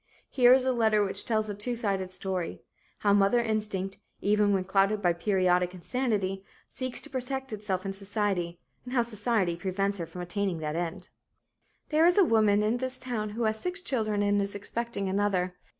Here is a letter which tells a two sided story how mother instinct, even when clouded by periodic insanity, seeks to protect itself and society, and how society prevents her from attaining that end: "There is a woman in this town who has six children and is expecting another.